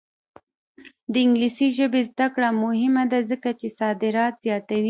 د انګلیسي ژبې زده کړه مهمه ده ځکه چې صادرات زیاتوي.